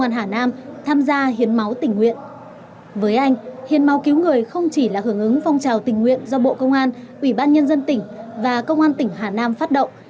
tình nguyện với anh hiền mau cứu người không chỉ là hưởng ứng phong trào tình nguyện do bộ công an ủy ban nhân dân tỉnh và công an tỉnh hà nam phát động